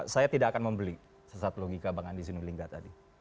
saya tidak akan membeli sesat logika bang andi sinulinga tadi